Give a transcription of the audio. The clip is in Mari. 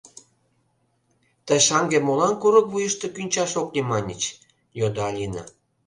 — Тый шаҥге молан курык вуйышто кӱнчаш ок лий маньыч? — йодо Алина.